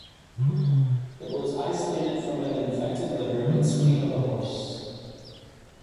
It was isolated from an infected liver and spleen of a horse.